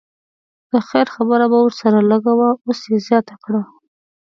د خیر خبره به ورسره لږه وه اوس یې زیاته کړه.